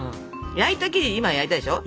焼いた生地今焼いたでしょ？